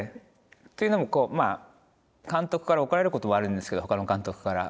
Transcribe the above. というのもまあ監督から怒られることはあるんですけどほかの監督から。